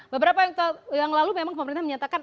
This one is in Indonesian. beberapa yang lalu memang pemerintah menyatakan